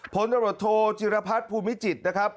ผลตำรวจโทจิรพัฒน์ภูมิจิตรนะครับ